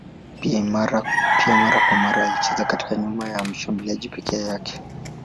Pia mara kwa mara alicheza katikati nyuma ya mshambuliaji peke yake.